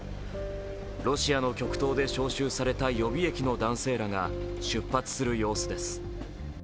ロシアの極東で招集された予備役の男性らが出発する様子です。